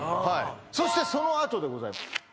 そしてそのあとでございます